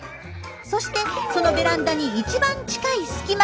そしてそのベランダに一番近い隙間があの窓。